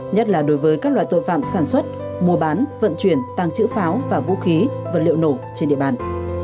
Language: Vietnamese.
nhất là đối với các loại tội phạm sản xuất mua bán vận chuyển tăng trữ pháo và vũ khí vật liệu nổ trên địa bàn